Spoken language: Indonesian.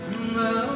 saya sudah selesai